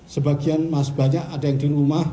sebagian masih banyak ada yang di rumah